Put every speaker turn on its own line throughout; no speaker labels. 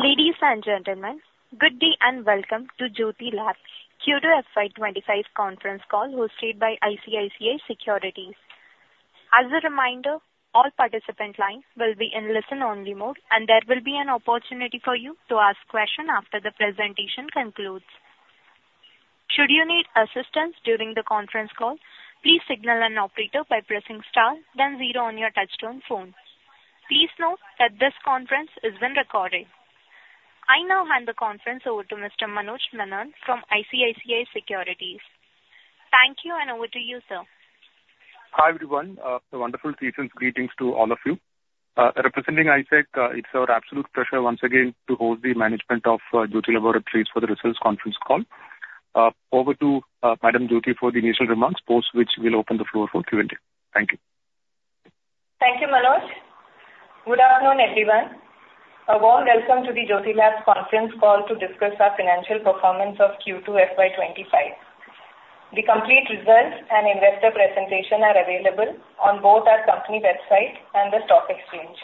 Ladies and gentlemen, good day and welcome to Jyothy Labs Q2 FY25 conference call hosted by ICICI Securities. As a reminder, all participant lines will be in listen-only mode, and there will be an opportunity for you to ask questions after the presentation concludes. Should you need assistance during the conference call, please signal an operator by pressing star, then zero on your touch-tone phone. Please note that this conference is being recorded. I now hand the conference over to Mr. Manoj Menon from ICICI Securities. Thank you, and over to you, sir.
Hi, everyone. A wonderful greetings to all of you. Representing ISEC, it's our absolute pleasure once again to host the management of Jyothy Labs Limited for the research conference call. Over to Madam M.R. Jyothy for the initial remarks, post which we'll open the floor for Q&A. Thank you.
Thank you, Manoj. Good afternoon, everyone. A warm welcome to the Jyothy Labs conference call to discuss our financial performance of Q2 FY25. The complete results and investor presentation are available on both our company website and the stock exchange.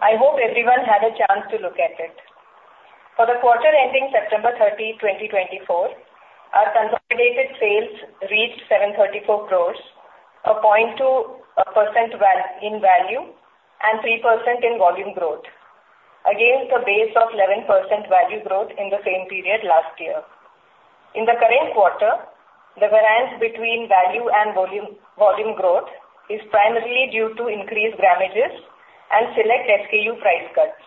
I hope everyone had a chance to look at it. For the quarter ending September 30, 2024, our consolidated sales reached 734 crores, a 0.2% in value and 3% in volume growth, against a base of 11% value growth in the same period last year. In the current quarter, the variance between value and volume growth is primarily due to increased grammages and select SKU price cuts.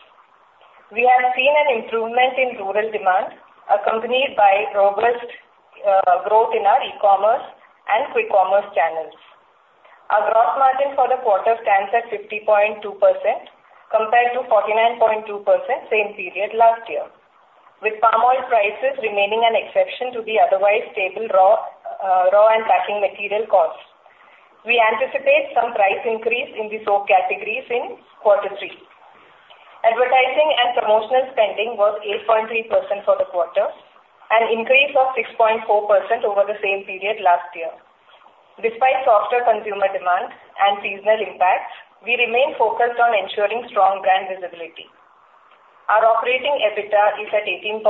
We have seen an improvement in rural demand, accompanied by robust growth in our e-commerce and quick commerce channels. Our gross margin for the quarter stands at 50.2% compared to 49.2% same period last year, with palm oil prices remaining an exception to the otherwise stable raw and packing material costs. We anticipate some price increase in these four categories in quarter three. Advertising and promotional spending was 8.3% for the quarter, an increase of 6.4% over the same period last year. Despite softer consumer demand and seasonal impacts, we remain focused on ensuring strong brand visibility. Our operating EBITDA is at 18.9%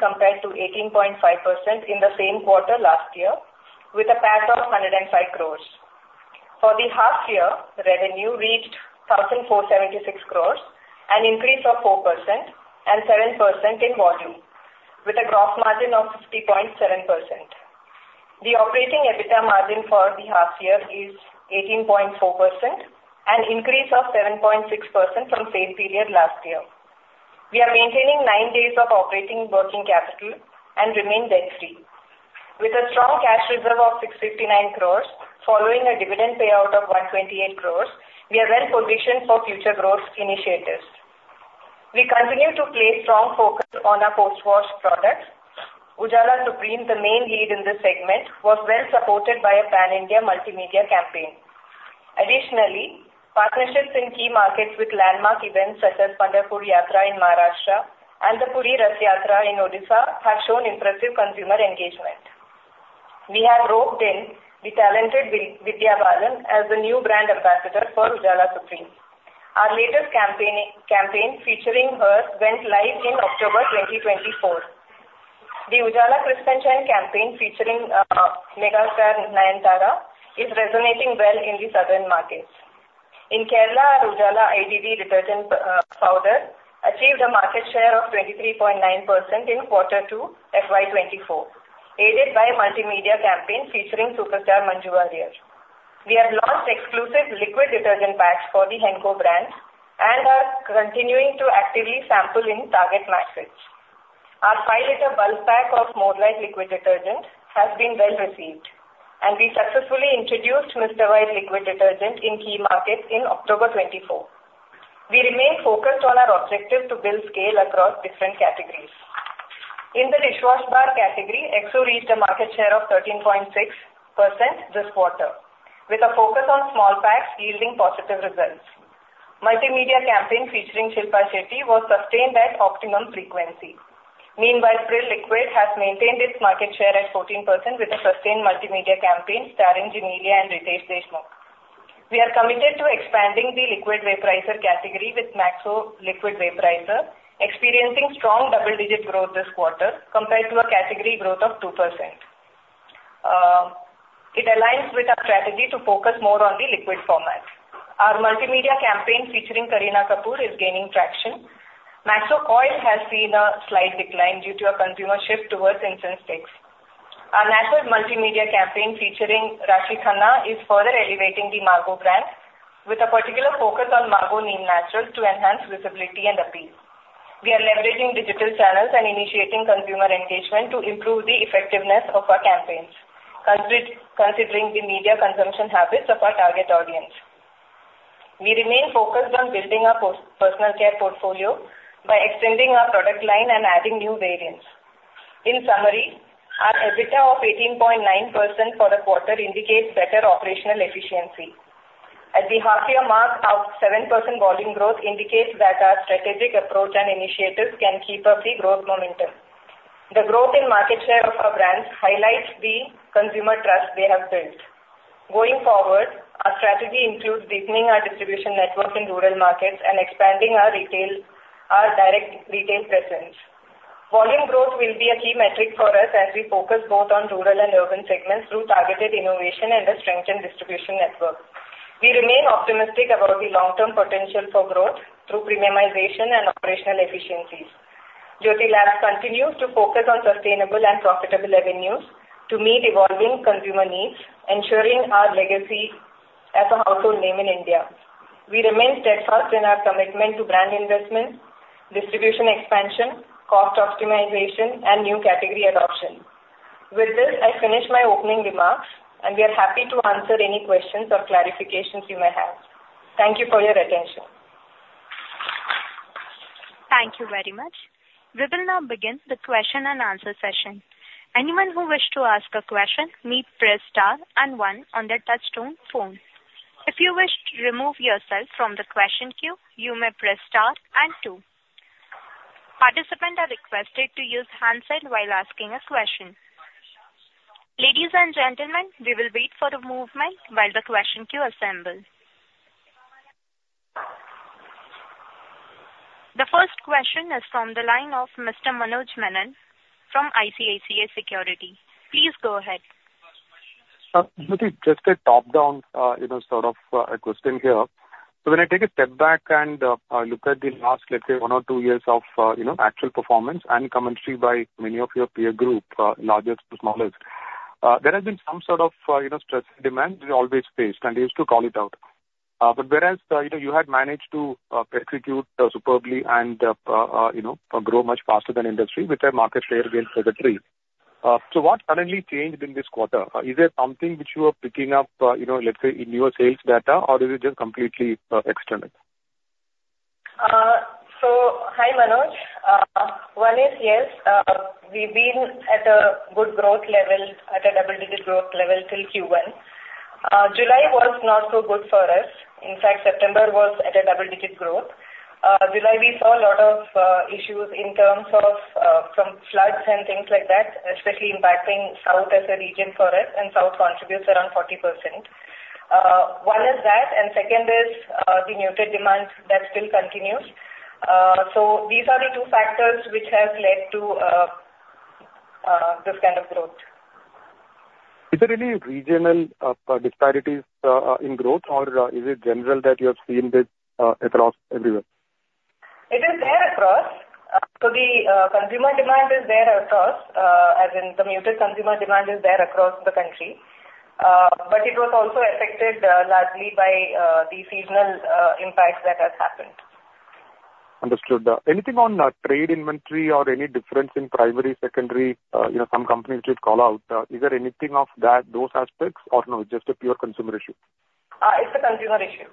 compared to 18.5% in the same quarter last year, with a PAT of 105 crores. For the half-year, revenue reached 1,476 crores, an increase of 4%, and 7% in volume, with a gross margin of 50.7%. The operating EBITDA margin for the half-year is 18.4%, an increase of 7.6% from the same period last year. We are maintaining nine days of operating working capital and remain debt-free. With a strong cash reserve of 659 crores, following a dividend payout of 128 crores, we are well positioned for future growth initiatives. We continue to place strong focus on our post-wash products. Ujala Supreme, the main lead in this segment, was well supported by a pan-India multimedia campaign. Additionally, partnerships in key markets with landmark events such as Pandharpur Yatra in Maharashtra and the Puri Rath Yatra in Odisha have shown impressive consumer engagement. We have roped in the talented Vidya Balan as the new brand ambassador for Ujala Supreme. Our latest campaign featuring her went live in October 2024. The Ujala Crisp and Shine campaign featuring Megastar Nayanthara is resonating well in the southern markets. In Kerala, our Ujala IDD detergent powder achieved a market share of 23.9% in quarter two FY24, aided by a multimedia campaign featuring superstar Manju Warrier. We have launched exclusive liquid detergent packs for the Henko brand and are continuing to actively sample in target markets. Our five-liter bulk pack of More Light liquid detergent has been well received, and we successfully introduced Mr. White liquid detergent in key markets in October 2024. We remain focused on our objective to build scale across different categories. In the dishwasher bar category, Exo reached a market share of 13.6% this quarter, with a focus on small packs yielding positive results. Multimedia campaign featuring Shilpa Shetty was sustained at optimum frequency. Meanwhile, Pril Liquid has maintained its market share at 14% with a sustained multimedia campaign starring Genelia and Riteish Deshmukh. We are committed to expanding the liquid vaporizer category with Maxo Liquid Vaporizer, experiencing strong double-digit growth this quarter compared to a category growth of 2%. It aligns with our strategy to focus more on the liquid format. Our multimedia campaign featuring Kareena Kapoor is gaining traction. Maxo Coil has seen a slight decline due to a consumer shift towards incense sticks. Our natural multimedia campaign featuring Raashii Khanna is further elevating the Margo brand, with a particular focus on Margo Neem Naturals to enhance visibility and appeal. We are leveraging digital channels and initiating consumer engagement to improve the effectiveness of our campaigns, considering the media consumption habits of our target audience. We remain focused on building our personal care portfolio by extending our product line and adding new variants. In summary, our EBITDA of 18.9% for the quarter indicates better operational efficiency. At the half-year mark, our 7% volume growth indicates that our strategic approach and initiatives can keep up the growth momentum. The growth in market share of our brands highlights the consumer trust they have built. Going forward, our strategy includes deepening our distribution network in rural markets and expanding our direct retail presence. Volume growth will be a key metric for us as we focus both on rural and urban segments through targeted innovation and a strengthened distribution network. We remain optimistic about the long-term potential for growth through premiumization and operational efficiencies. Jyothy Labs continues to focus on sustainable and profitable revenues to meet evolving consumer needs, ensuring our legacy as a household name in India. We remain steadfast in our commitment to brand investment, distribution expansion, cost optimization, and new category adoption. With this, I finish my opening remarks, and we are happy to answer any questions or clarifications you may have. Thank you for your attention.
Thank you very much. We will now begin the question and answer session. Anyone who wished to ask a question may press star and one on their touch-tone phone. If you wish to remove yourself from the question queue, you may press star and two. Participants are requested to use handsets while asking a question. Ladies and gentlemen, we will wait for a moment while the question queue assembles. The first question is from the line of Mr. Manoj Menon from ICICI Securities. Please go ahead.
Jyothy, just a top-down sort of question here. So when I take a step back and look at the last, let's say, one or two years of actual performance and commentary by many of your peer group, largest to smallest, there has been some sort of stress and demand always faced, and they used to call it out. But whereas you had managed to execute superbly and grow much faster than industry, with a market share gain trajectory. So what suddenly changed in this quarter? Is there something which you are picking up, let's say, in your sales data, or is it just completely external?
So hi, Manoj. One is yes, we've been at a good growth level, at a double-digit growth level till Q1. July was not so good for us. In fact, September was at a double-digit growth. July, we saw a lot of issues in terms of floods and things like that, especially impacting South as a region for us, and South contributes around 40%. One is that, and second is the muted demand that still continues. So these are the two factors which have led to this kind of growth.
Is there any regional disparities in growth, or is it general that you have seen this across everywhere?
It is there across. So the consumer demand is there across, as in the muted consumer demand is there across the country. But it was also affected largely by the seasonal impacts that have happened.
Understood. Anything on trade inventory or any difference in primary, secondary, some companies which you've called out? Is there anything of those aspects, or no, it's just a pure consumer issue?
It's a consumer issue.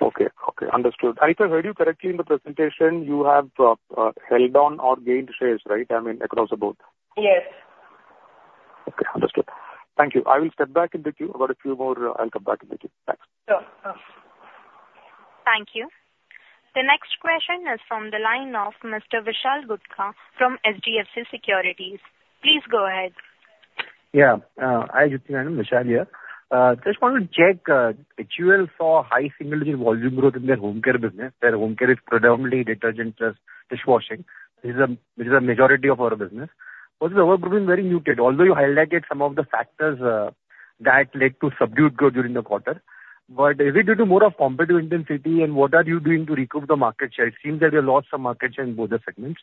Okay. Understood. And if I heard you correctly in the presentation, you have held on or gained shares, right? I mean, across the board?
Yes.
Okay. Understood. Thank you. I will step back into the queue about a few more. I'll come back into the queue. Thanks.
Sure. Thank you. The next question is from the line of Mr. Vishal Gutka from HDFC Securities. Please go ahead.
Yeah. Hi, Jyothy. My name is Vishal here. Just wanted to check, actually, for high single-digit volume growth in their home care business. Their home care is predominantly detergent plus dishwashing, which is a majority of our business. But we've been very muted. Although you highlighted some of the factors that led to subdued growth during the quarter, but is it due to more of competitive intensity, and what are you doing to recoup the market share? It seems that we have lost some market share in both the segments.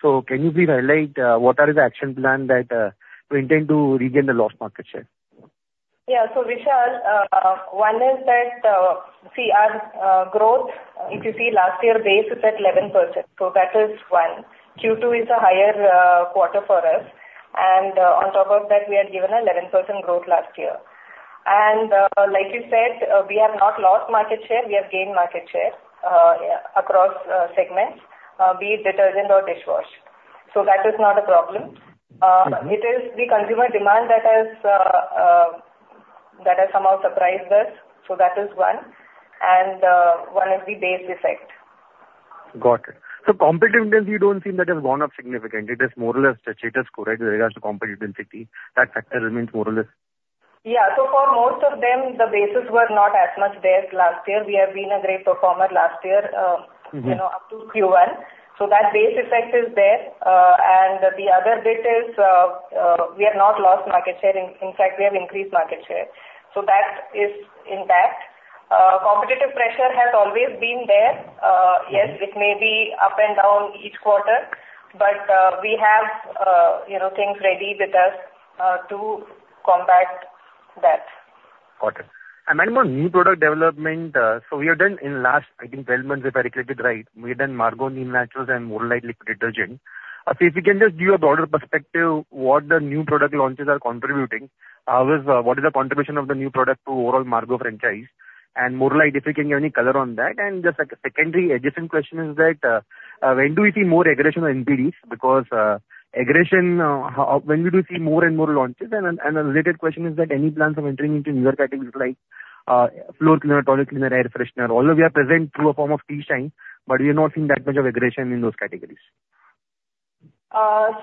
So can you please highlight what are the action plans to intend to regain the lost market share?
Yeah. So Vishal, one is that see, our growth, if you see last year base, it's at 11%. So that is one. Q2 is a higher quarter for us. And on top of that, we had given an 11% growth last year. And like you said, we have not lost market share. We have gained market share across segments, be it detergent or dishwash. So that is not a problem. It is the consumer demand that has somehow surprised us. So that is one. And one is the base effect.
Got it. So competitive intensity don't seem that has gone up significantly. It is more or less status quo, right, with regards to competitive intensity. That factor remains more or less.
Yeah. So for most of them, the bases were not as much there as last year. We have been a great performer last year up to Q1. So that base effect is there. And the other bit is we have not lost market share. In fact, we have increased market share. So that is intact. Competitive pressure has always been there. Yes, it may be up and down each quarter, but we have things ready with us to combat that.
Got it. And then on new product development, so we have done in the last, I think, 12 months, if I recollected right, we had done Margo Neem Naturals and More Light liquid detergent. So if we can just give a broader perspective of what the new product launches are contributing, what is the contribution of the new product to overall Margo franchise? And more like, if you can give any color on that. And just a secondary adjacent question is that when do we see more aggression on NPDs? Because aggression, when do we see more and more launches? And a related question is that any plans of entering into newer categories like floor cleaner, toilet cleaner, air freshener, although we are present through a form of T-Shine, but we are not seeing that much of aggression in those categories.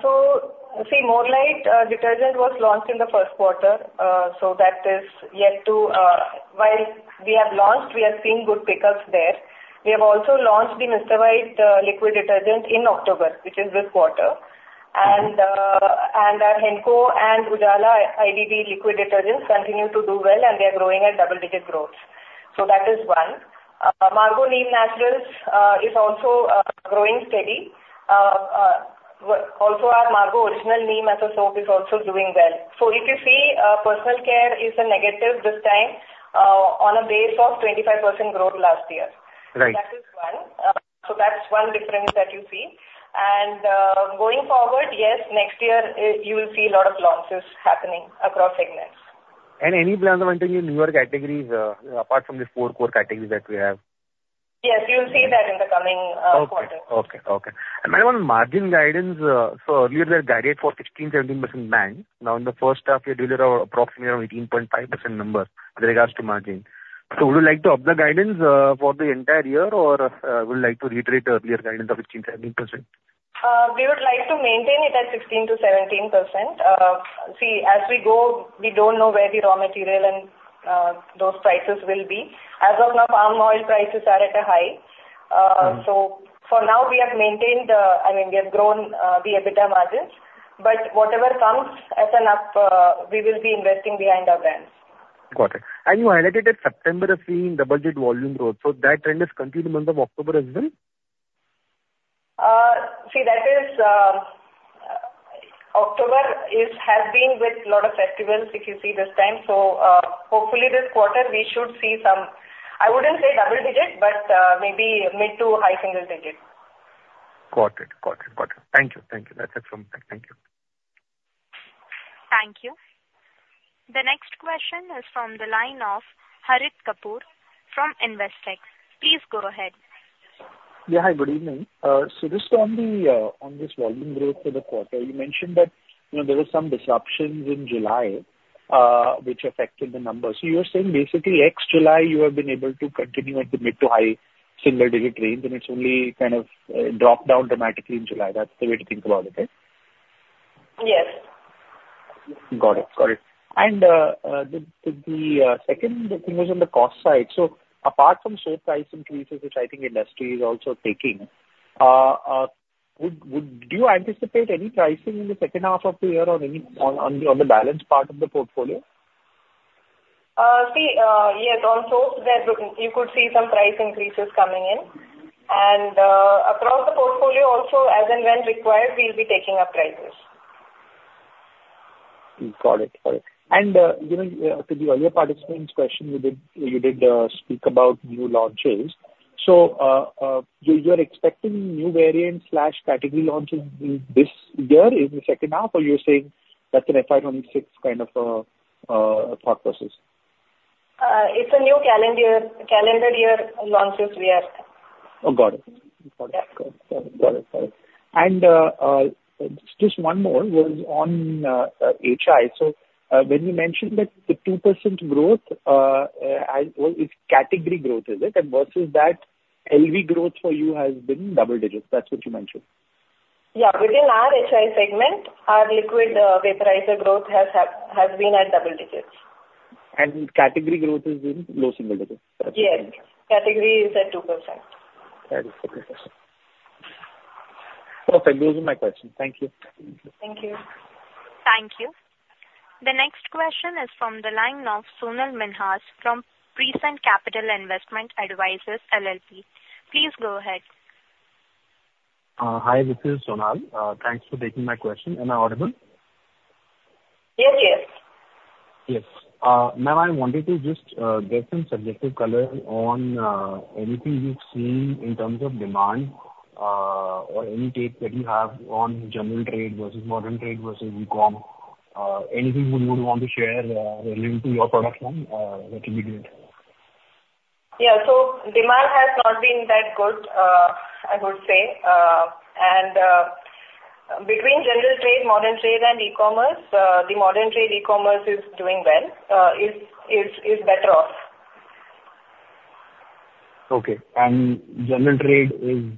So, see, More Light detergent was launched in the first quarter. So that is yet to while we have launched, we have seen good pickups there. We have also launched the Mr. White liquid detergent in October, which is this quarter. And our Henko and Ujala IDD liquid detergents continue to do well, and they are growing at double-digit growth. So that is one. Margo Neem Naturals is also growing steady. Also, our Margo original neem as a soap is also doing well. So if you see, personal care is a negative this time on a base of 25% growth last year. So that is one. So that's one difference that you see. And going forward, yes, next year, you will see a lot of launches happening across segments.
Any plans of entering in newer categories apart from these four core categories that we have?
Yes, you will see that in the coming quarter.
And then on margin guidance, so earlier, they had guided for 16%-17% band. Now, in the first half year, they were approximately around 18.5% number with regards to margin. So would you like to up the guidance for the entire year, or would you like to reiterate earlier guidance of 16%-17%?
We would like to maintain it at 16%-17%. See, as we go, we don't know where the raw material and those prices will be. As of now, palm oil prices are at a high. So for now, we have maintained the I mean, we have grown the EBITDA margins. But whatever comes at an up, we will be investing behind our brands.
Got it. And you highlighted that September has seen double-digit volume growth. So that trend is continued in the month of October as well?
See, that is, October has been with a lot of festivals, if you see, this time. So hopefully, this quarter, we should see some. I wouldn't say double-digit, but maybe mid- to high-single-digit.
Got it. Got it. Got it. Thank you. Thank you. That's it from me. Thank you.
Thank you. The next question is from the line of Harit Kapoor from Investec. Please go ahead.
Yeah. Hi, good evening. So just on this volume growth for the quarter, you mentioned that there were some disruptions in July which affected the numbers. So you're saying basically ex July, you have been able to continue at the mid to high single-digit range, and it's only kind of dropped down dramatically in July. That's the way to think about it, right?
Yes.
Got it. Got it. And the second thing was on the cost side. So apart from soap price increases, which I think industry is also taking, do you anticipate any pricing in the second half of the year on the balance part of the portfolio?
See, yes, on soaps, you could see some price increases coming in, and across the portfolio also, as and when required, we'll be taking up prices.
Got it. Got it. And to the earlier participant's question, you did speak about new launches. So you're expecting new variants/category launches this year in the second half, or you're saying that's an FY26 kind of thought process?
It's a new calendar year. Launches we have.
Got it. And just one more was on HUL. So when you mentioned that the 2% growth is category growth, is it? And versus that, LV growth for you has been double digits. That's what you mentioned.
Yeah. Within our HI segment, our liquid vaporizer growth has been at double digits.
Category growth has been low single digits.
Yes. Category is at 2%.
That is 2%. Perfect. Those are my questions. Thank you.
Thank you.
Thank you. The next question is from the line of Sonal Minhas from Prescient Capital Investment Advisors LLP. Please go ahead.
Hi, this is Sonal. Thanks for taking my question. Am I audible?
Yes, yes.
Yes. Ma'am, I wanted to just get some subjective color on anything you've seen in terms of demand or any take that you have on general trade versus modern trade versus e-com? Anything you would want to share related to your product line, that would be great.
Yeah. So demand has not been that good, I would say. And between General Trade, Modern Trade, and e-commerce, the Modern Trade, e-commerce is doing well, is better off.
Okay. And general trade is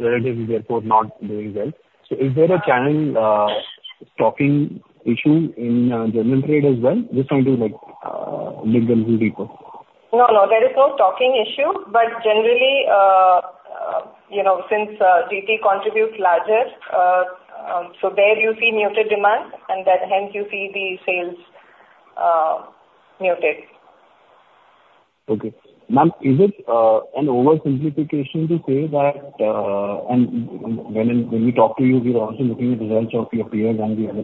relatively therefore not doing well. So is there a channel stocking issue in general trade as well? Just trying to dig a little deeper.
No, no. There is no stocking issue. But generally, since GT contributes larger, so there you see muted demand, and then hence you see the sales muted.
Okay. Ma'am, is it an oversimplification to say that when we talk to you, we are also looking at results of your peers and the other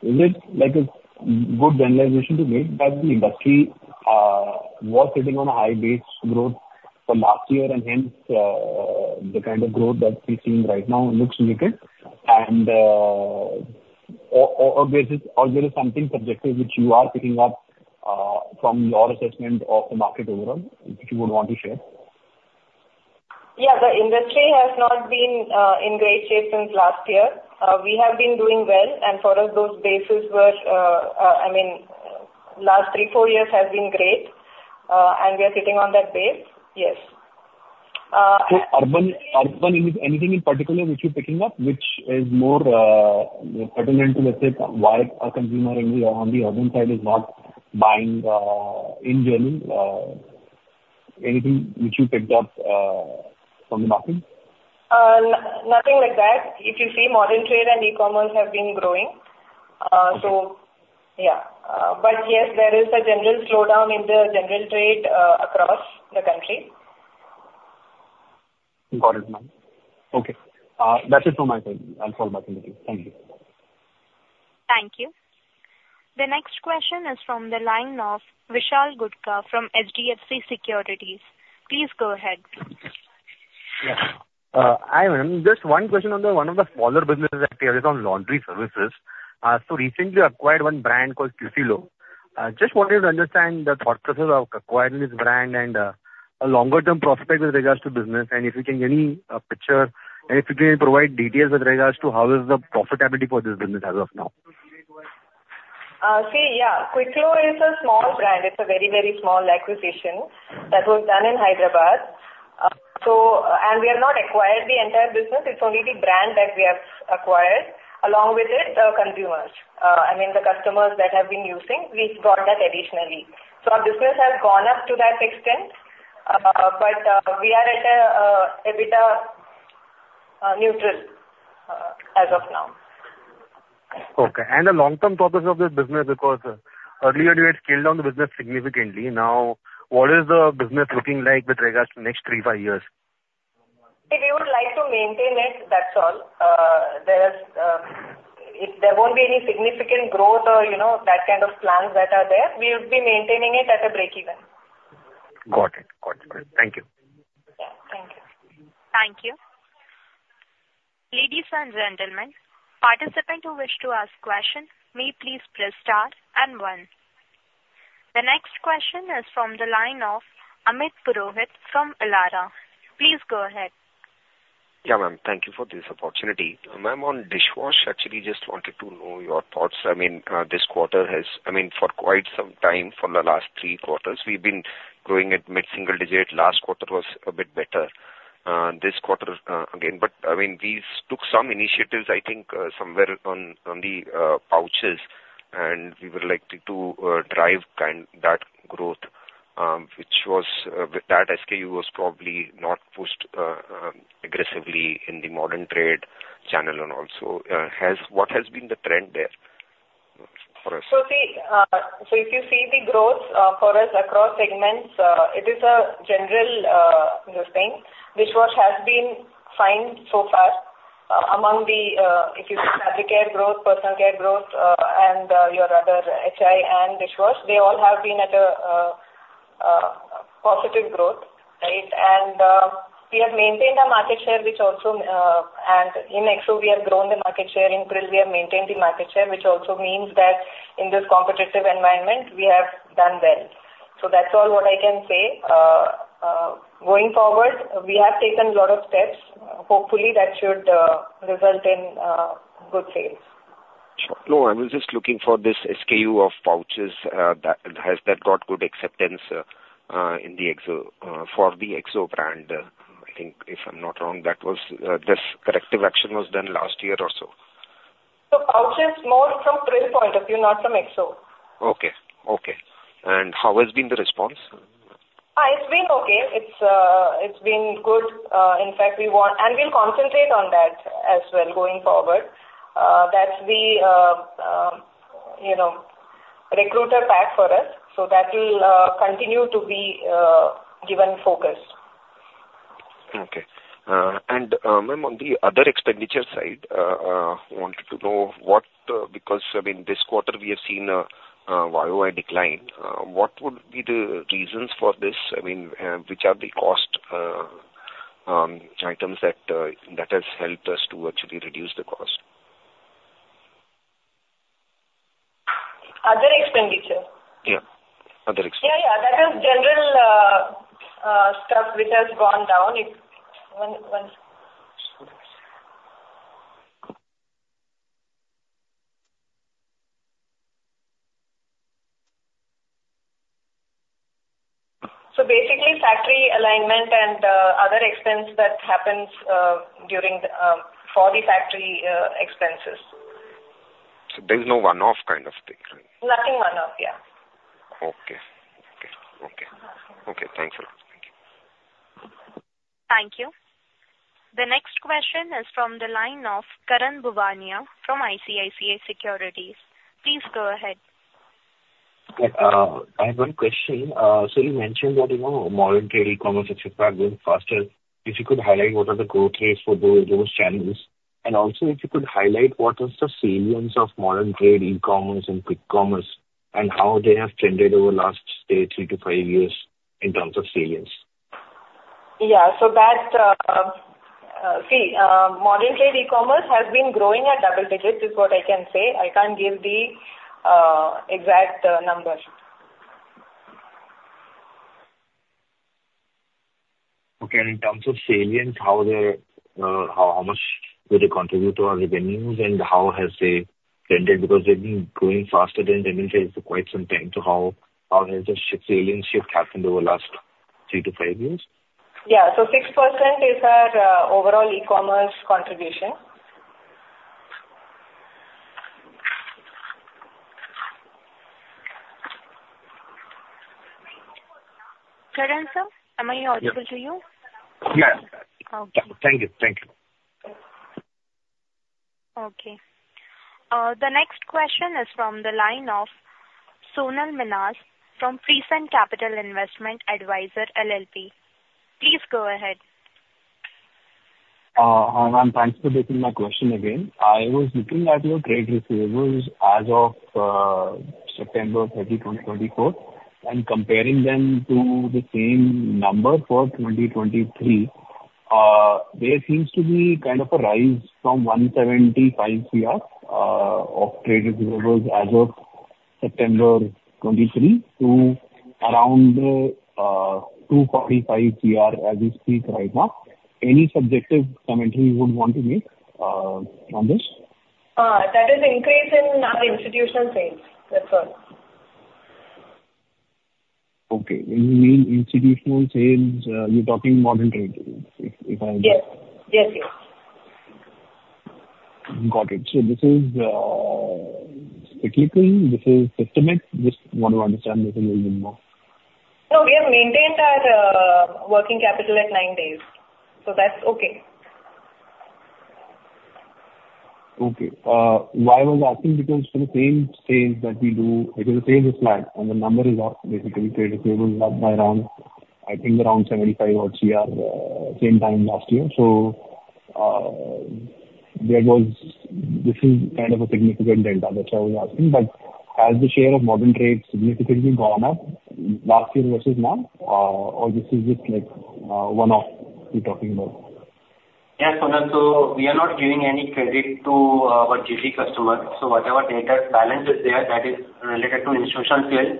people, is it a good generalization to make that the industry was sitting on a high base growth for last year, and hence the kind of growth that we're seeing right now looks muted? And is there something subjective which you are picking up from your assessment of the market overall that you would want to share?
Yeah. The industry has not been in great shape since last year. We have been doing well. And for us, those bases were, I mean, last three, four years have been great. And we are sitting on that base, yes.
So, urban, in anything in particular which you're picking up, which is more pertinent to, let's say, why a consumer on the urban side is not buying in general, anything which you picked up from the market?
Nothing like that. If you see, modern trade and e-commerce have been growing. So yeah. But yes, there is a general slowdown in the general trade across the country.
Got it, ma'am. Okay. That's it from my side. I'll follow back in a bit. Thank you.
Thank you. The next question is from the line of Vishal Gutka from HDFC Securities. Please go ahead.
Yes. Hi, ma'am. Just one question on one of the smaller businesses that is on laundry services. So recently, I acquired one brand called Quiclo. Just wanted to understand the thought process of acquiring this brand and a longer-term prospect with regards to business, and if you can give me a picture, and if you can provide details with regards to how is the profitability for this business as of now.
See, yeah. Quiclo is a small brand. It's a very, very small acquisition that was done in Hyderabad. And we have not acquired the entire business. It's only the brand that we have acquired. Along with it, the consumers. I mean, the customers that have been using, we've got that additionally. So our business has gone up to that extent. But we are at an EBITDA neutral as of now.
Okay. And the long-term thought of this business, because earlier, you had scaled down the business significantly. Now, what is the business looking like with regards to the next three, five years?
See, we would like to maintain it. That's all. There won't be any significant growth or that kind of plans that are there. We would be maintaining it at a breakeven.
Got it. Got it. Got it. Thank you.
Yeah. Thank you.
Thank you. Ladies and gentlemen, participant who wish to ask question, may please press star and one. The next question is from the line of Amit Purohit from Elara. Please go ahead.
Yeah, ma'am. Thank you for this opportunity. Ma'am, on dishwash, actually, just wanted to know your thoughts. I mean, this quarter has, I mean, for quite some time, for the last three quarters, we've been growing at mid single digit. Last quarter was a bit better. This quarter again. But I mean, we took some initiatives, I think, somewhere on the pouches, and we would like to drive that growth, which was that SKU was probably not pushed aggressively in the Modern Trade channel and also. What has been the trend there for us?
So see, so if you see the growth for us across segments, it is a general thing. Dishwash has been fine so far. Among the, if you see fabric care growth, personal care growth, and your other HI and dishwash, they all have been at a positive growth, right? And we have maintained our market share, which also, and in Exo, we have grown the market share. In Pril, we have maintained the market share, which also means that in this competitive environment, we have done well. So that's all what I can say. Going forward, we have taken a lot of steps. Hopefully, that should result in good sales.
Sure. No, I was just looking for this SKU of pouches. Has that got good acceptance in the Exo for the Exo brand? I think, if I'm not wrong, that was this corrective action was done last year or so.
So, pouches more from Pril point of view, not from Exo.
Okay. Okay. And how has been the response?
It's been okay. It's been good. In fact, we want, and we'll concentrate on that as well going forward. That's the recruiter pack for us. So that will continue to be given focus.
Okay. And ma'am, on the other expenditure side, I wanted to know what, because I mean, this quarter, we have seen a YoY decline. What would be the reasons for this? I mean, which are the cost items that have helped us to actually reduce the cost?
Other expenditure.
Yeah. Other expenditure.
Yeah, yeah. That is general stuff which has gone down. So basically, factory alignment and other expense that happens for the factory expenses.
So there's no one-off kind of thing, right?
Nothing one-off, yeah.
Okay. Thanks a lot. Thank you.
Thank you. The next question is from the line of Karan Bhuwania from ICICI Securities. Please go ahead.
I have one question. So you mentioned that modern trade e-commerce, etc., are growing faster. If you could highlight what are the growth rates for those channels? And also, if you could highlight what are the salience of modern trade e-commerce and quick commerce and how they have trended over the last, say, three to five years in terms of salience?
Yeah. So that, see, modern trade e-commerce has been growing at double digits, is what I can say. I can't give the exact number.
Okay. And in terms of salience, how much do they contribute to our revenues and how has they trended? Because they've been growing faster than general trade for quite some time. So how has the salience shift happened over the last three to five years?
Yeah, so 6% is our overall e-commerce contribution.
Karan sir, am I audible to you?
Yes. Thank you. Thank you.
Okay. The next question is from the line of Sonal Minhas from Prescient Capital Investment Advisors LLP. Please go ahead.
Hi, ma'am. Thanks for taking my question again. I was looking at your trade receivables as of September 30, 2024, and comparing them to the same number for 2023, there seems to be kind of a rise from 175 CR of trade receivables as of September 23 to around 245 CR as we speak right now. Any subjective commentary you would want to make on this?
That is increase in our institutional sales. That's all.
Okay. When you mean institutional sales, you're talking modern trade, if I understand?
Yes. Yes, yes.
Got it. So this is cyclical? This is systemic? Just want to understand this a little bit more.
No, we have maintained our working capital at nine days. So that's okay.
Okay. Why was I asking? Because for the same sales that we do, because the sales is flat and the number is up, basically, trade receivables up by around, I think, around INR 75 crore same time last year. So this is kind of a significant delta, which I was asking. But has the share of modern trade significantly gone up last year versus now, or this is just one-off you're talking about? Yes, Sonal. So we are not giving any credit to our GT customers. So whatever debtor balance is there, that is related to institutional sales.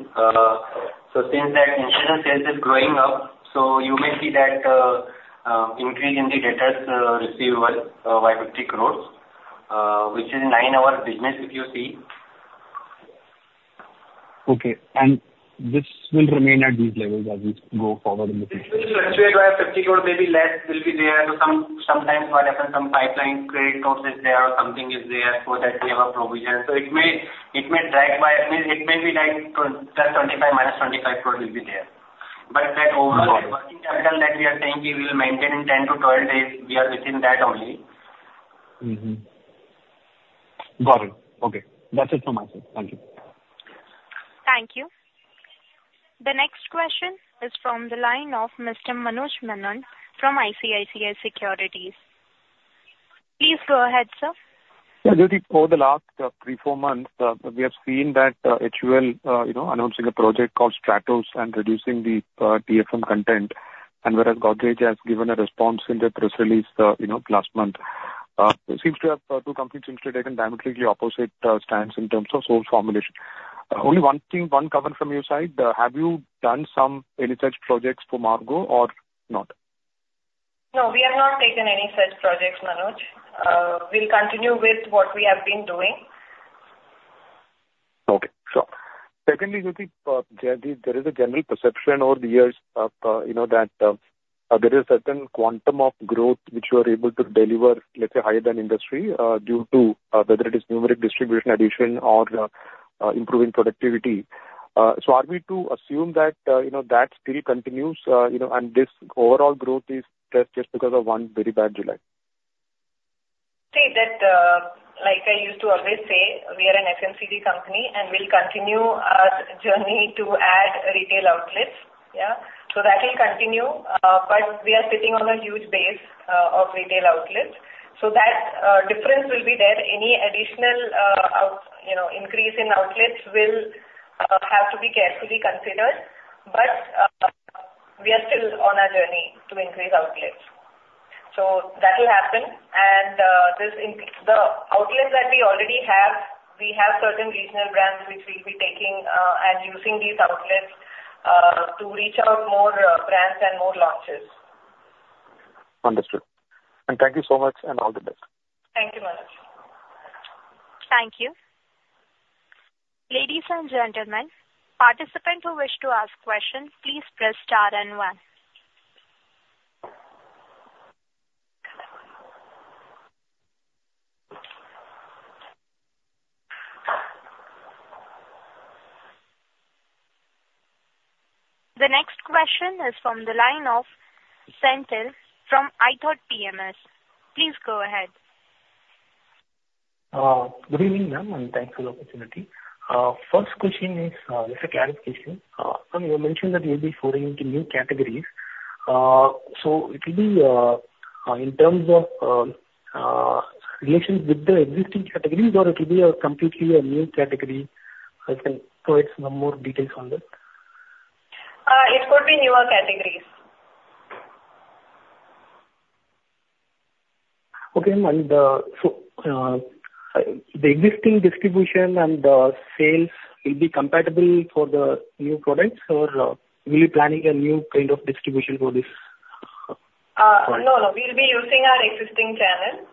So since that institutional sales is growing up, so you may see that increase in the debtor receivables by 50 crores, which is 9% of business, if you see. Okay. And this will remain at these levels as we go forward in the future? It will fluctuate by 50 crores, maybe less will be there. So sometimes what happens, some pipeline create sources there or something is there so that we have a provision. So it may drag by, I mean, it may be like just 25 minus 25 crores will be there. But that overall working capital that we are saying we will maintain in 10-12 days, we are within that only. Got it. Okay. That's it from my side. Thank you.
Thank you. The next question is from the line of Mr. Manoj Menon from ICICI Securities. Please go ahead, sir.
Yeah. Just before the last three, four months, we have seen that HUL announcing a project called Stratos and reducing the TFM content. And whereas Godrej has given a response in the press release last month, it seems to have two companies seem to have taken diametrically opposite stands in terms of soap formulation. Only one thing, one comment from your side. Have you done some any such projects for Margo or not?
No, we have not taken any such projects, Manoj. We'll continue with what we have been doing.
Okay. So secondly, there is a general perception over the years that there is a certain quantum of growth which you are able to deliver, let's say, higher than industry due to whether it is numeric distribution addition or improving productivity. So are we to assume that that still continues and this overall growth is just because of one very bad July?
See, like I used to always say, we are an FMCG company and we'll continue our journey to add retail outlets. Yeah, so that will continue. But we are sitting on a huge base of retail outlets, so that difference will be there. Any additional increase in outlets will have to be carefully considered, but we are still on our journey to increase outlets, so that will happen, and the outlets that we already have, we have certain regional brands which we'll be taking and using these outlets to reach out more brands and more launches.
Understood, and thank you so much and all the best.
Thank you, Manoj.
Thank you. Ladies and gentlemen, participants who wish to ask questions, please press star and one. The next question is from the line of Senthil from ithoughtpms. Please go ahead.
Good evening, ma'am, and thanks for the opportunity. First question is just a clarification. You mentioned that you'll be foraying into new categories. So it will be in terms of relations with the existing categories or it will be a completely new category? If you can provide some more details on this.
It could be newer categories.
Okay, ma'am. So the existing distribution and sales will be compatible for the new products or will you be planning a new kind of distribution for this?
No, no. We'll be using our existing channel.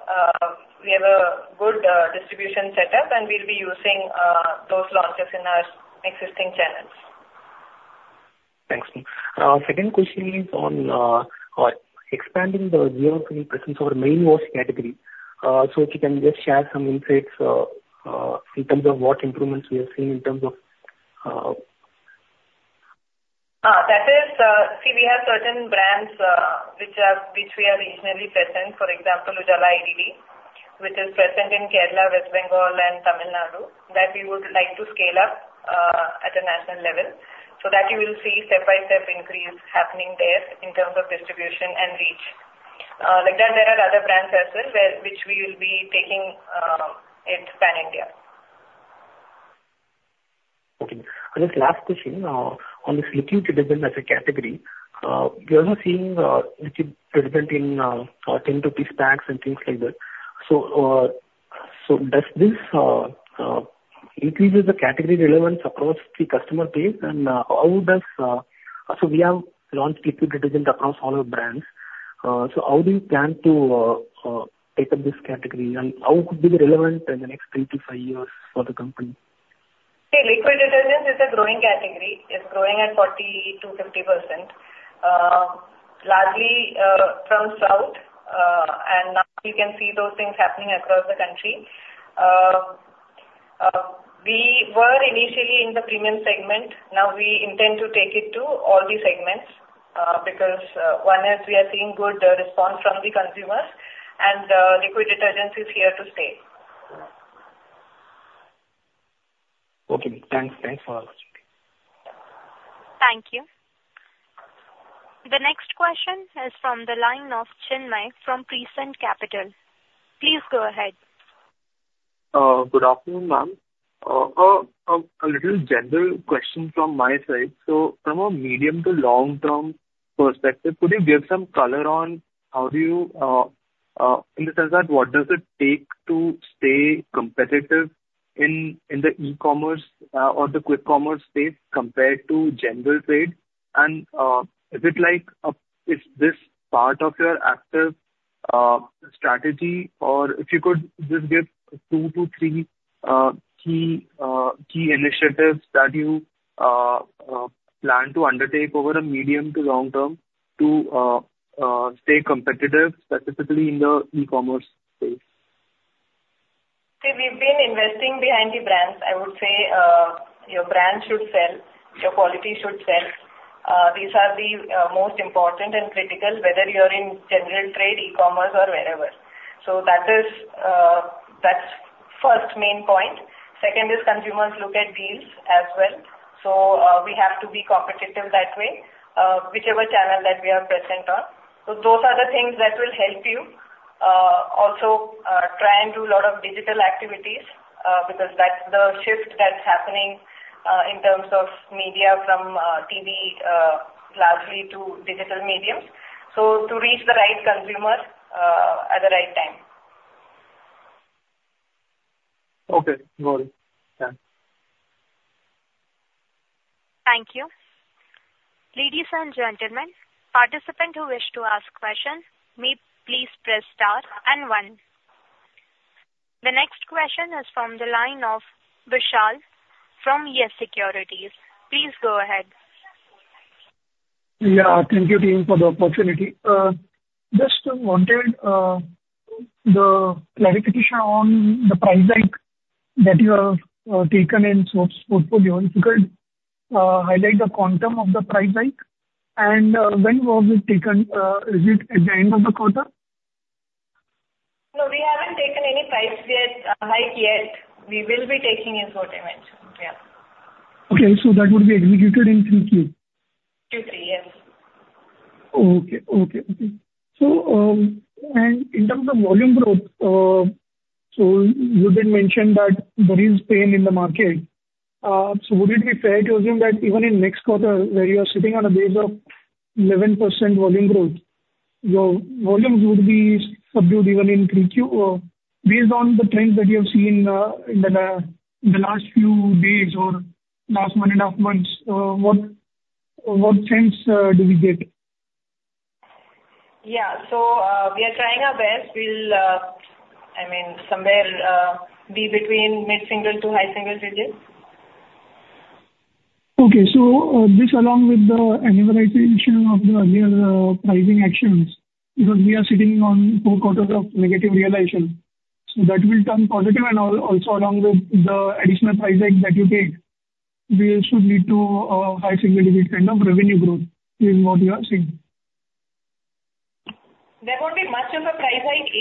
We have a good distribution setup and we'll be using those launches in our existing channels.
Thanks, ma'am. Second question is on expanding the year-on-year presence of our main wash category. So if you can just share some insights in terms of what improvements we have seen in terms of.
That is, see, we have certain brands which we are regionally present, for example, Ujala IDD, which is present in Kerala, West Bengal, and Tamil Nadu, that we would like to scale up at a national level. So that you will see step-by-step increase happening there in terms of distribution and reach. Like that, there are other brands as well which we will be taking it pan-India.
Okay. Just last question on this liquid detergent as a category. We are also seeing liquid detergent in 10-piece packs and things like that. So does this increase the category relevance across the customer base? And how, so we have launched liquid detergent across all our brands. So how do you plan to take up this category? And how would it be relevant in the next three to five years for the company?
See, liquid detergent is a growing category. It's growing at 40%-50%, largely from south. And now you can see those things happening across the country. We were initially in the premium segment. Now we intend to take it to all the segments because one is we are seeing good response from the consumers, and liquid detergent is here to stay.
Okay. Thanks. Thanks for asking.
Thank you. The next question is from the line of Chinmay from Prescient Capital. Please go ahead.
Good afternoon, ma'am. A little general question from my side. So from a medium to long-term perspective, could you give some color on how do you in the sense that what does it take to stay competitive in the e-commerce or the quick commerce space compared to general trade? And is it like this part of your active strategy? Or if you could just give two to three key initiatives that you plan to undertake over a medium to long term to stay competitive, specifically in the e-commerce space?
See, we've been investing behind the brands. I would say your brand should sell, your quality should sell. These are the most important and critical, whether you're in general trade, e-commerce, or wherever. So that's first main point. Second is consumers look at deals as well. So we have to be competitive that way, whichever channel that we are present on. So those are the things that will help you. Also, try and do a lot of digital activities because that's the shift that's happening in terms of media from TV largely to digital mediums. So to reach the right consumer at the right time.
Okay. Got it. Thanks.
Thank you. Ladies and gentlemen, participant who wish to ask question, please press star and one. The next question is from the line of Vishal from YES SECURITIES. Please go ahead. Yeah. Thank you, team, for the opportunity. Just wanted the clarification on the price hike that you have taken in soaps portfolio. If you could highlight the quantum of the price hike and when was it taken? Is it at the end of the quarter?
No, we haven't taken any price hike yet. We will be taking it shortly. Yeah. Okay. So that would be executed in Q3? Q3, yes. Okay. And in terms of volume growth, so you did mention that there is pain in the market. So would it be fair to assume that even in next quarter, where you are sitting on a base of 11% volume growth, your volumes would be subdued even in Q3? Based on the trends that you have seen in the last few days or last one and a half months, what trends do we get? Yeah. So we are trying our best. We'll, I mean, somewhere be between mid-single to high-single digits. Okay, so this along with the annualization of the other pricing actions, because we are sitting on four quarters of negative realization, so that will turn positive and also along with the additional price hike that you paid, we should lead to a high single-digit kind of revenue growth is what you are seeing. There won't be much of a price hike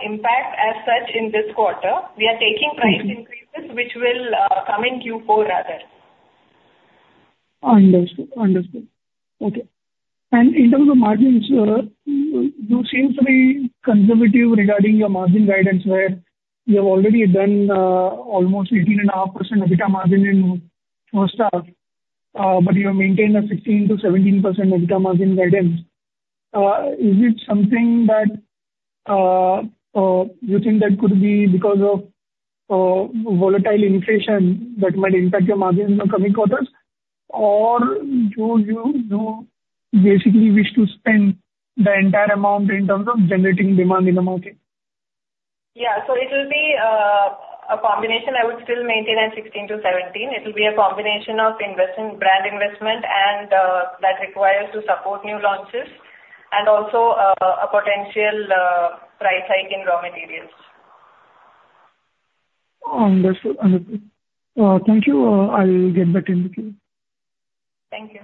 impact as such in this quarter. We are taking price increases which will come in Q4 rather. Understood. Understood. Okay. And in terms of margins, you seem to be conservative regarding your margin guidance where you have already done almost 18.5% EBITDA margin in first half, but you have maintained a 16%-17% EBITDA margin guidance. Is it something that you think that could be because of volatile inflation that might impact your margins in the coming quarters? Or do you basically wish to spend the entire amount in terms of generating demand in the market? Yeah. So it will be a combination. I would still maintain at 16 to 17. It will be a combination of brand investment and that requires to support new launches and also a potential price hike in raw materials. Understood. Understood. Thank you. I'll get back in with you. Thank you.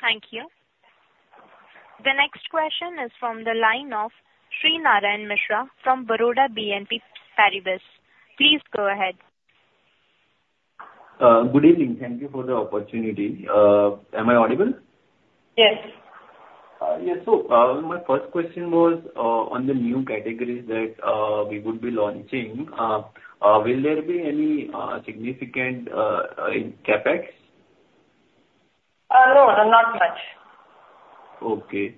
Thank you. The next question is from the line of Shrinarayan Mishra from Baroda BNP Paribas. Please go ahead.
Good evening. Thank you for the opportunity. Am I audible?
Yes.
Yes. So my first question was on the new categories that we would be launching. Will there be any significant CapEx?
No, not much.
Okay.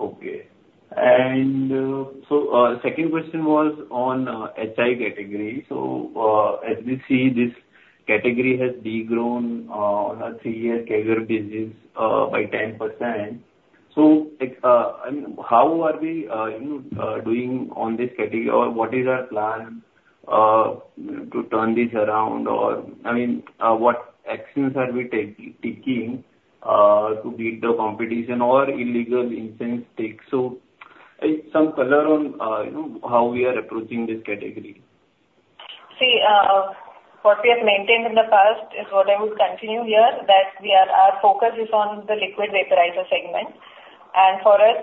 Okay. And so, the second question was on the HI category. So as we see, this category has degrown on a three-year CAGR basis by 10%. So I mean, how are we doing on this category? Or what is our plan to turn this around? Or I mean, what actions are we taking to beat the competition or illegal incense sticks? So some color on how we are approaching this category.
See, what we have maintained in the past is what I will continue here, that our focus is on the liquid vaporizer segment. And for us,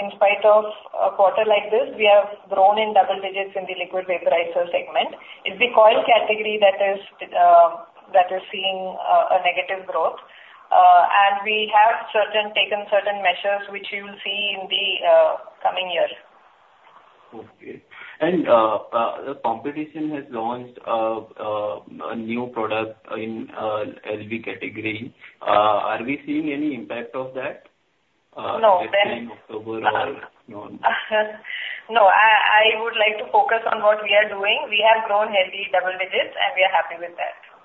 in spite of a quarter like this, we have grown in double digits in the liquid vaporizer segment. It's the coil category that is seeing a negative growth. And we have taken certain measures which you will see in the coming year.
Okay. And the competition has launched a new product in LV category. Are we seeing any impact of that?
No.
In October.
No. I would like to focus on what we are doing. We have grown heavily double digits, and we are happy with that.